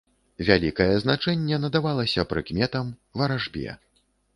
Вялікае значэнне надавалася прыкметам, варажбе.